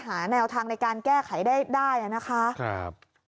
หาแนวทางในการแก้ไขได้ได้นะคะ